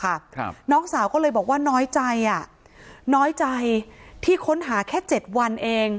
ครับน้องสาวก็เลยบอกว่าน้อยใจอ่ะน้อยใจที่ค้นหาแค่เจ็ดวันเอง